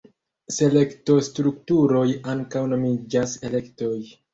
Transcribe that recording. Selekto-strukturoj ankaŭ nomiĝas elektoj.